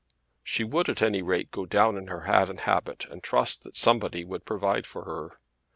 She would at any rate go down in her hat and habit and trust that somebody would provide for her.